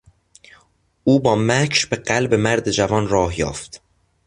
او با مکر به قلب مرد جوان راه یافت.